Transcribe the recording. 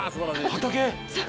畑。